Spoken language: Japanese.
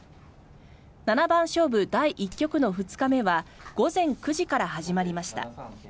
七番勝負第１局の２日目は午前９時から始まりました。